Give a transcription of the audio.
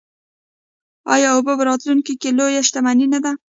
آیا اوبه په راتلونکي کې لویه شتمني نه ده؟